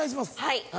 はい。